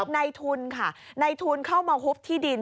ในทุนค่ะในทุนเข้ามาหุบที่ดิน